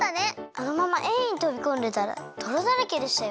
あのままＡにとびこんでたらどろだらけでしたよ！